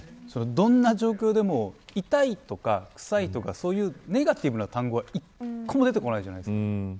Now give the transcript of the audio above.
どんな状況でも痛いとか、臭いとかそういうネガティブな単語は１個も出てこないじゃないですか。